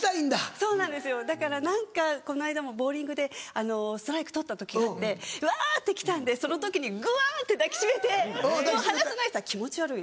そうなんですよだから何かこの間もボウリングでストライク取った時があってうわ！って来たんでその時にぐわ！って抱き締めて「もう離さない」って言ったら「気持ち悪い！」。